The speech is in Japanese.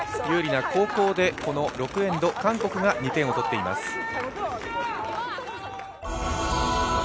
有利な後攻で６エンド、韓国が２点を取っています。